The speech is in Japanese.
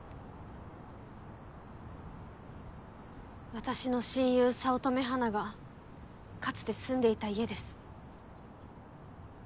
私の親友早乙女花がかつて住んでいた家です。